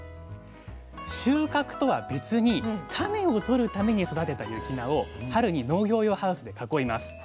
収穫とは別に種をとるために育てた雪菜を春に農業用ハウスで囲います。